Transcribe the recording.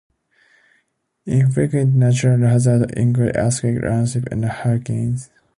Infrequent natural hazards include earthquakes, landslips and hurricanes.